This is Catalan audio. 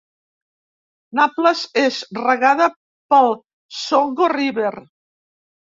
Naples és regada pel Songo River.